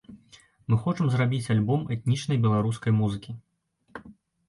Мы хочам зрабіць альбом этнічнай беларускай музыкі.